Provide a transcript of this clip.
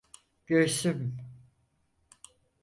Göğsüm…